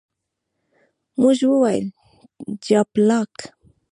موږ وویل، جاپلاک.